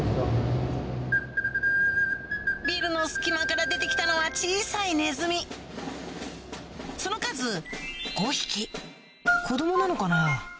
ビルの隙間から出て来たのは小さいネズミその数子供なのかな？